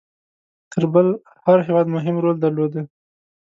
تر بل هر هیواد مهم رول درلودی.